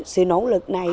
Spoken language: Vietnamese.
sự nỗ lực này